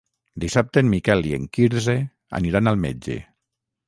Dissabte en Miquel i en Quirze aniran al metge.